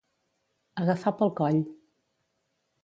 Agafar pel coll.